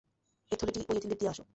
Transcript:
এ থলেটি ঐ এতীমদের দিয়ে আস।